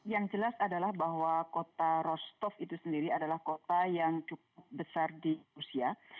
yang jelas adalah bahwa kota rostov itu sendiri adalah kota yang cukup besar di rusia